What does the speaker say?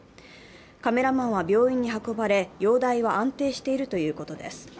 カメラマンは病院に運ばれ容体は安定しているということです。